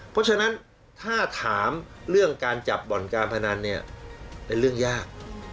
เพราะฉะนั้นถ้าถามเรื่องการจับบ่อนการพนันเนี่ยเป็นเรื่องยาก